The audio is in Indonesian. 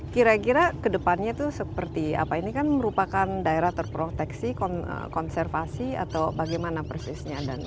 kira kira kedepannya itu seperti apa ini kan merupakan daerah terproteksi konservasi atau bagaimana persisnya